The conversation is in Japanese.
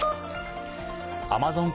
アマゾン